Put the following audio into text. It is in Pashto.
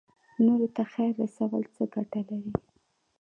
نورو ته خیر رسول څه ګټه لري؟